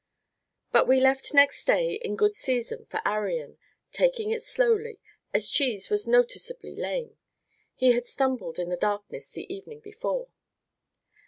But we left next day in good season for Arion, taking it slowly, as Cheese was noticeably lame; he had stumbled in the darkness the evening before.